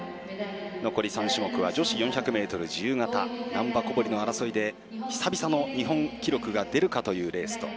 残り３種目は女子４００ｍ自由形難波、小堀の争いで久々の日本記録が出るかというレースと。